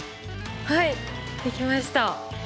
はいできました。